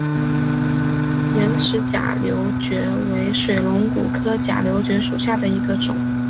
圆齿假瘤蕨为水龙骨科假瘤蕨属下的一个种。